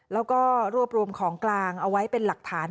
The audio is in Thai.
แล้วก็รวบรวมของกลางเอาไว้เป็นหลักฐาน